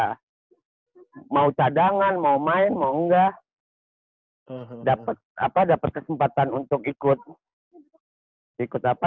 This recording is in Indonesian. ya mau cadangan mau main mau enggak dapet kesempatan untuk ikut ikut apa